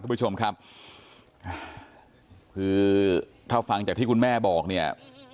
คุณผู้ชมครับคือถ้าฟังจากที่คุณแม่บอกเนี่ย